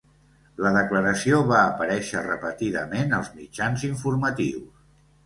La declaració va aparèixer repetidament als mitjans informatius.